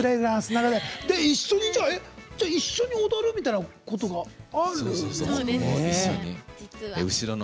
一緒に踊るみたいなことがあるの？